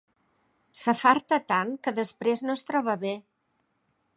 S'afarta tant, que després no es troba bé.